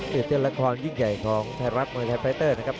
ตื่นเต้นละครยิ่งใหญ่ของไทยรัฐมวยไทยไฟเตอร์นะครับ